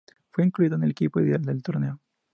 Fue incluido en el equipo ideal del torneo.